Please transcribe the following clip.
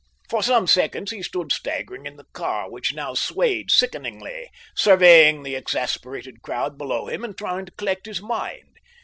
For some seconds he stood staggering in the car, which now swayed sickeningly, surveying the exasperated crowd below him and trying to collect his mind.